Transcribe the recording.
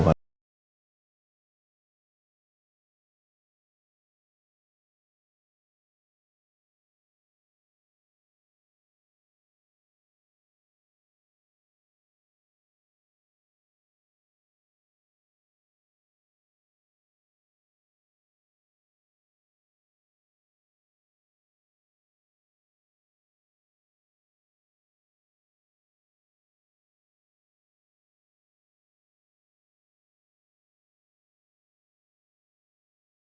saya harus sekalian